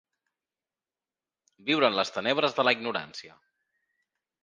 Viure en les tenebres de la ignorància.